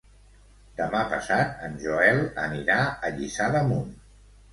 Demà passat en Joel anirà a Lliçà d'Amunt.